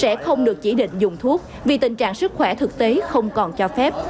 bệnh viện chợ rẫy được chỉ định dùng thuốc vì tình trạng sức khỏe thực tế không còn cho phép